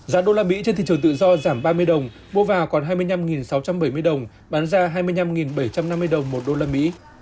giá usd trên thị trường tự do giảm ba mươi đồng mua vào còn hai mươi năm sáu trăm bảy mươi đồng bán ra hai mươi năm bảy trăm năm mươi đồng một usd